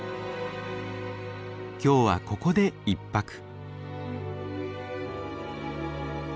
今日はここで１泊。